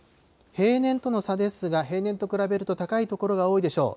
平年との差ですが、平年と比べると高い所が多いでしょう。